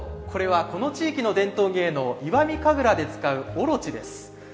これはこの地域の伝統芸能石見神楽で使うおろちです。